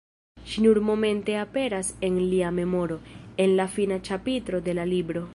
Ŝi nur momente aperas en lia memoro, en la fina ĉapitro de la libro.